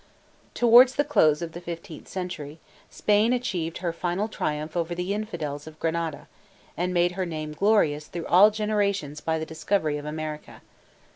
Towards the close of the fifteenth century, Spain achieved her final triumph over the infidels of Granada, and made her name glorious through all generations by the discovery of America.